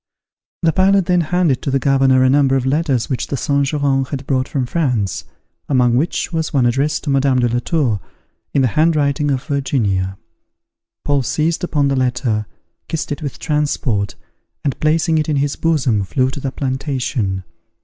The pilot then handed to the governor a number of letters which the Saint Geran had brought from France, among which was one addressed to Madame de la Tour, in the hand writing of Virginia. Paul seized upon the letter, kissed it with transport, and placing it in his bosom, flew to the plantation.